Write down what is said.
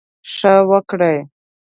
ښه وکړٸ.